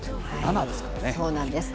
そうなんです。